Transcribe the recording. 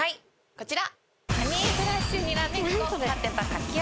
こちら。